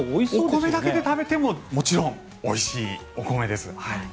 お米だけで食べてももちろんおいしいお米です。